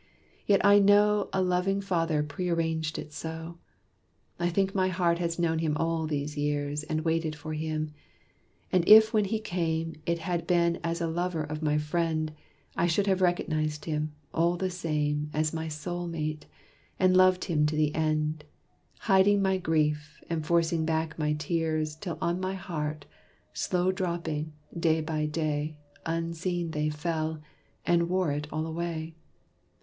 Yet I know A loving Father pre arranged it so. I think my heart has known him all these years, And waited for him. And if when he came It had been as a lover of my friend, I should have recognized him, all the same, As my soul mate, and loved him to the end, Hiding my grief, and forcing back my tears Till on my heart, slow dropping, day by day, Unseen they fell, and wore it all away.